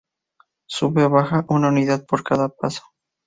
Sube o baja una unidad por cada paso.